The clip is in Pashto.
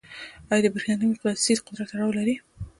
آیا د برېښنايي مقناطیس قدرت تړاو لري؟